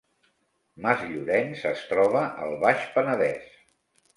Masllorenç es troba al Baix Penedès